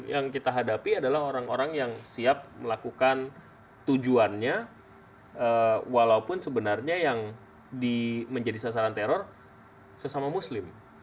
yang kita hadapi adalah orang orang yang siap melakukan tujuannya walaupun sebenarnya yang menjadi sasaran teror sesama muslim